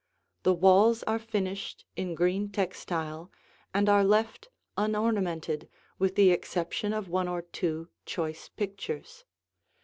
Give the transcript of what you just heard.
The walls are finished in green textile and are left unornamented with the exception of one or two choice pictures.